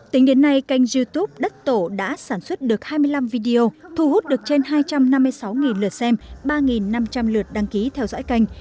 tính đến nay kênh youtube đất tổ đã sản xuất được hai mươi năm video thu hút được trên hai trăm năm mươi sáu lượt xem ba năm trăm linh lượt đăng ký theo dõi kênh